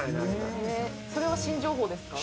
それは新情報ですか？